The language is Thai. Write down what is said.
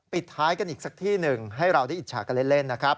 ปิดท้ายกันอีกสักที่หนึ่งให้เราได้อิจฉากันเล่นนะครับ